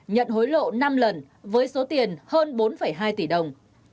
nhận hối lộ năm lần với số tiền hơn bốn hai tỷ đồng